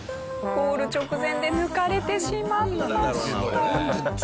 ゴール直前で抜かれてしまいました。